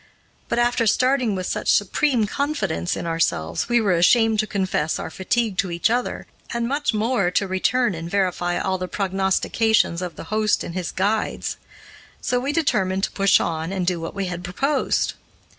But, after starting with such supreme confidence in ourselves, we were ashamed to confess our fatigue to each other, and much more to return and verify all the prognostications of the host and his guides. So we determined to push on and do what we had proposed.